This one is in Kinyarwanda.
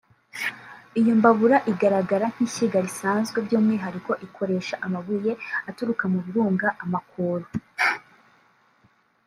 Iyo mbabura igaragara nk’ishyiga risanzwe by’ umwihariko ikoresha amabuye aturuka ku birunga (Amakoro)